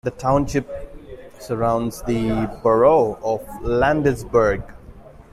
The township surrounds the borough of Landisburg.